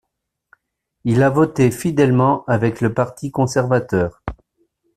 Il a voté fidèlement avec le parti conservateur.